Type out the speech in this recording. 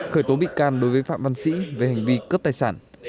khởi tố bị can đối với phạm văn sĩ về hành vi cướp tài sản